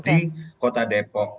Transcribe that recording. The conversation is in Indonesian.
jadi buat kami jawabannya adalah seluruh